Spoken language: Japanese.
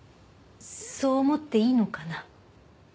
そう思っていいのかな？